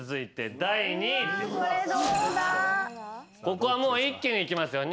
ここは一気にいきますよ。